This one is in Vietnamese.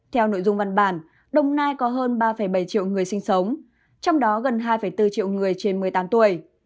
theo nội dung văn bản đồng nai có hơn ba bảy triệu người sinh sống trong đó gần hai bốn triệu người trên một mươi tám tuổi